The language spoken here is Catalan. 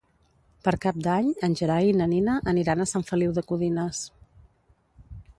Per Cap d'Any en Gerai i na Nina aniran a Sant Feliu de Codines.